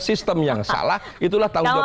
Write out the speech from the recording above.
sistem yang salah itulah tanggung jawab